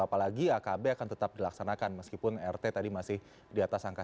apalagi akb akan tetap dilaksanakan meskipun rt tadi masih di atas angka